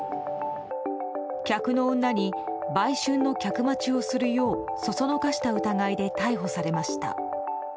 客の女に売春の客待ちをするようそそのかした疑いで逮捕されました。